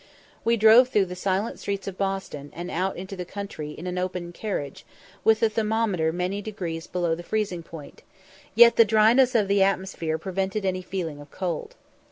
We drove through the silent streets of Boston, and out into the country, in an open carriage, with the thermometer many degrees below the freezing point, yet the dryness of the atmosphere prevented any feeling of cold.